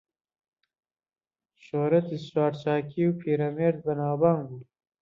شۆرەتی سوارچاکیی پیرەمێرد بەناوبانگ بوو